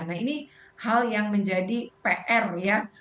nah ini hal yang menjadi pr ya